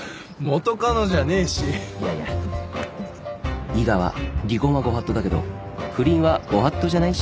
いやいや伊賀は離婚はご法度だけど不倫はご法度じゃないし。